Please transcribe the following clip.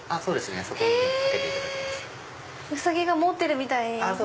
ウサギが持ってるみたいになる。